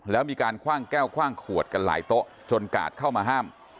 แล้วมีการคว่างแก้วคว่างขวดกันหลายโต๊ะจนกาดเข้ามาห้าม